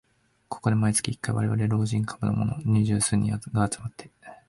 ここで毎月一回、われわれ老人株のもの二十数人が集まって